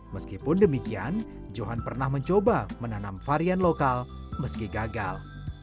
meskipun demikian johan pernah mencoba menanam varian lokal meski gagal